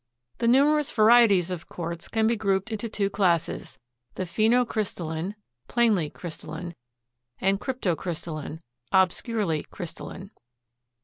The numerous varieties of Quartz can be grouped into two classes, the pheno crystalline (plainly crystalline) and the crypto crystalline (obscurely crystalline).